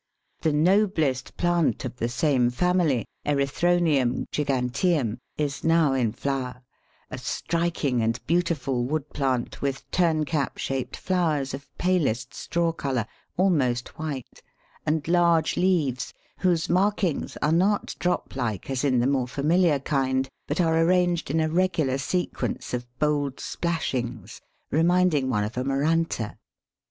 The noblest plant of the same family (Erythronium giganteum) is now in flower a striking and beautiful wood plant, with turn cap shaped flowers of palest straw colour, almost white, and large leaves, whose markings are not drop like as in the more familiar kind, but are arranged in a regular sequence of bold splashings, reminding one of a Maranta.